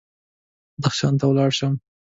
بدخشان ته ولاړ شم.